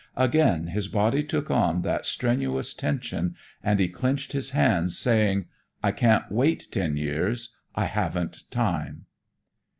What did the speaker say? Again his body took on that strenuous tension and he clenched his hands, saying, "I can't wait ten years, I haven't time."